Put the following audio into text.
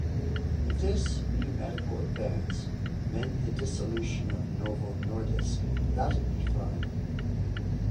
If this new medical advance ...meant the dissolution of Novo Nordisk, that'd be fine.